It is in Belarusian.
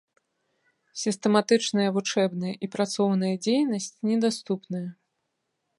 Сістэматычная вучэбная і працоўная дзейнасць недаступная.